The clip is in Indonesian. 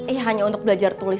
ini hanya untuk belajar tulis